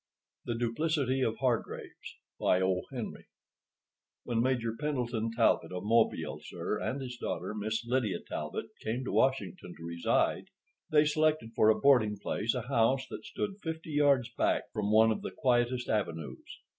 THE DUPLICITY OF HARGRAVES By O. Henry (1862–1910) When Major Pendleton Talbot, of Mobile, sir, and his daughter, Miss Lydia Talbot, came to Washington to reside, they selected for a boarding place a house that stood fifty yards back from one of the quietest avenues.